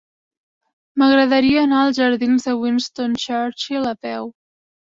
M'agradaria anar als jardins de Winston Churchill a peu.